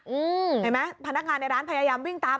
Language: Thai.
เห็นไหมพนักงานในร้านพยายามวิ่งตาม